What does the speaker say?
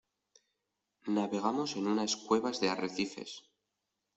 navegamos en unas cuevas de arrecifes.